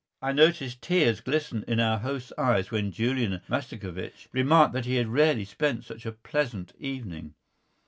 I noticed tears glisten in our host's eyes when Julian Mastakovich remarked that he had rarely spent such a pleasant evening.